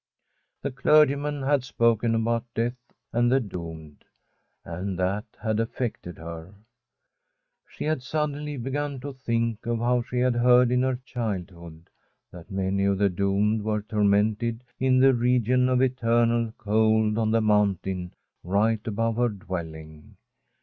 The clergyman had spoken about death and the doomed, and that had affected her. She had sud denly begun to think of how she had heard in her childhood that many of the doomed were tormented in the region of eternal cold on the mountain right above her dwelling.